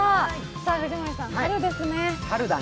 さあ藤森さん、春ですね。